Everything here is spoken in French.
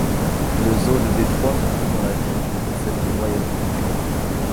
Le zoo de Détroit se trouve dans la ville et celle de Royal Oak.